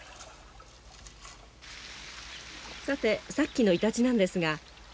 さてさっきのイタチなんですが。